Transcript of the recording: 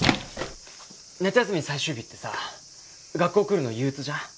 夏休み最終日ってさ学校来るの憂鬱じゃん。